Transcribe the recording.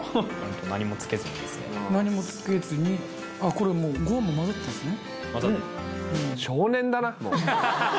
何もつけずにですね何もつけずにああこれもうごはんも混ざってるんですね？